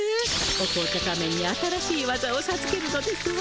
お紅茶仮面に新しい技をさずけるのですわ。